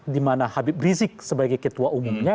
dimana habib rizik sebagai ketua umumnya